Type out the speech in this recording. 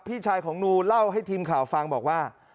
พี่ชายของนูเล่าให้ทีมข่าวฟังบอกว่า